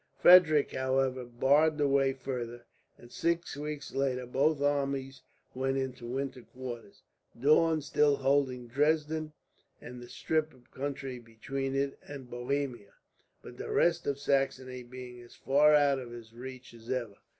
Frederick, however, barred the way farther, and six weeks later both armies went into winter quarters; Daun still holding Dresden and the strip of country between it and Bohemia, but the rest of Saxony being as far out of his reach as ever.